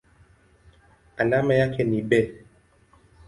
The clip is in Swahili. Alama yake ni Be.